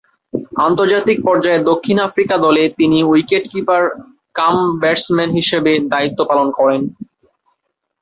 আন্তর্জাতিক পর্যায়ে দক্ষিণ আফ্রিকা দলে তিনি উইকেট-কিপার কাম ব্যাটসম্যান হিসেবে দায়িত্ব পালন করেন।